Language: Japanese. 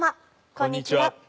こんにちは。